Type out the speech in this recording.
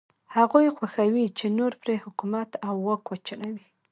هغوی خوښوي چې نور پرې حکومت او واک وچلوي.